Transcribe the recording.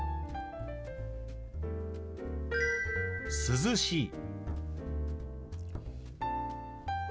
「涼しい」。